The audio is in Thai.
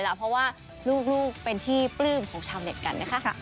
เพราะว่าลูกเป็นที่ปลื้มของชาวเน็ตกันนะคะ